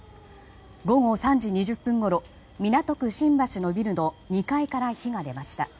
午後３時２０分ごろ港区新橋のビルの２階から火が出ました。